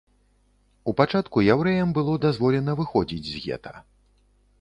У пачатку яўрэям было дазволена выходзіць з гета.